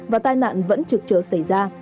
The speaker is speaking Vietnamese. và tai nạn vẫn trực trở xảy ra